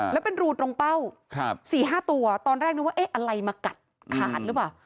แล้วเป็นรูตรงเป้า๔๕ตัวตอนแรกนึกว่าเอ๊ะอะไรมากัดขาดหรือเปล่า